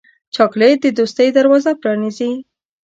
چاکلېټ د دوستۍ دروازه پرانیزي.